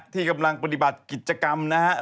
ที่กำลังปฏิบัติกิจกรรมนะครับ